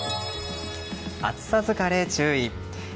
暑さ疲れ注意。